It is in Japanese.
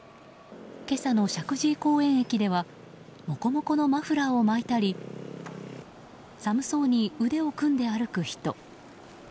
今朝の石神井公園駅ではモコモコのマフラーを巻いたり寒そうに腕を組んで歩く人。